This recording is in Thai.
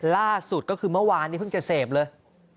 ล่าสุดก็คือเมื่อวานนี้เพิ่งจะเสพเลย